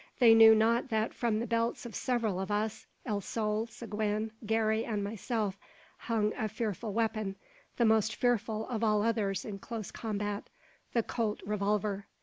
They knew not that from the belts of several of us El Sol, Seguin, Garey, and myself hung a fearful weapon, the most fearful of all others in close combat: the Colt revolver.